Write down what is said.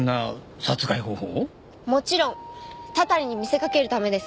もちろんたたりに見せかけるためです。